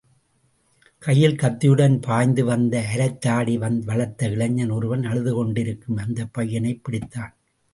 கையில் கத்தியுடன் பாய்ந்து வந்த அரைத்தாடி வளர்ந்த இளைஞன் ஒருவன் அழுது கொண்டிருக்கும் அந்தப் பையனைப் பிடித்தான்.